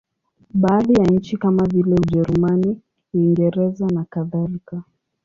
Baadhi ya nchi kama vile Ujerumani, Uingereza nakadhalika.